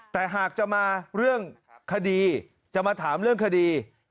แต่หากจะมาเรื่องคดีจะมาถามเรื่องคดี